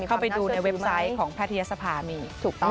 เข้าไปดูในเว็บไซต์ของพระเทียสภามี